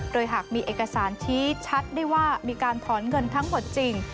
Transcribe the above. โดยหากมีเอกสารชี้ชัดได้ว่ามีการถอนเงินทั้งหมดจริง